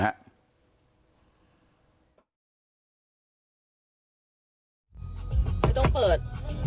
ไม่ต้องเปิด